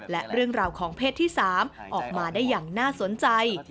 และเรื่องราวของเพศที่๓ออกมาได้อย่างน่าสนใจ